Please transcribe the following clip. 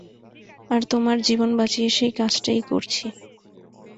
আর তোমার জীবন বাঁচিয়ে সেই কাজটাই করছি।